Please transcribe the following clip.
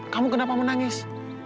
kamu kenapa menangis